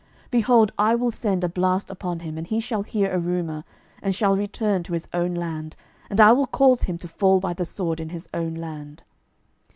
12:019:007 Behold, I will send a blast upon him, and he shall hear a rumour, and shall return to his own land; and I will cause him to fall by the sword in his own land.